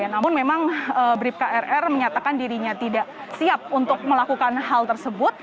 namun memang brib krr menyatakan dirinya tidak siap untuk melakukan hal tersebut